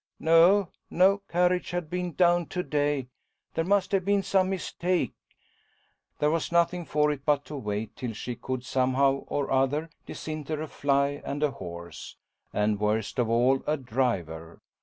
"No, no carriage had been down to day. There must have been some mistake." There was nothing for it but to wait till she could somehow or other disinter a fly and a horse, and, worst of all a driver.